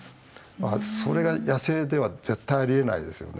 それが野生では絶対ありえないですよね。